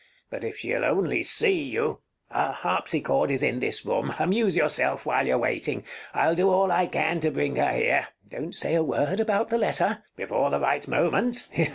But if she'll only see you Her harpsichord is in this room. Amuse yourself while you're waiting. I'll do all I can to bring her here. Count Don't say a word about the letter. Bartolo Before the right moment?